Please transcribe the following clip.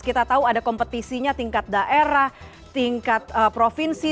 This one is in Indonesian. kita tahu ada kompetisinya tingkat daerah tingkat provinsi